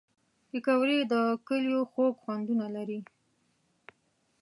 پکورې د کلیو خوږ خوندونه لري